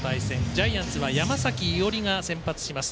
ジャイアンツは山崎伊織が先発します。